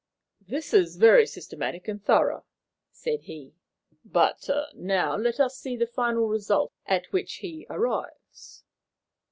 "This is very systematic and thorough," said he. "But now let us see the final result at which he arrives."